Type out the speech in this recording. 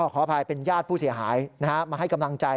ขออภัยเป็นญาติผู้เสียหายมาให้กำลังใจ